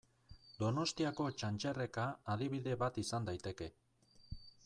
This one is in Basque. Donostiako Txantxerreka adibide bat izan daiteke.